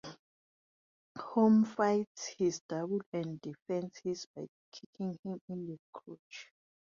Homer fights his double and defeats him by kicking him in the crotch.